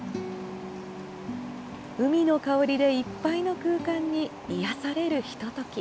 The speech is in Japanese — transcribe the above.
海の香りでいっぱいの空間に癒やされるひととき。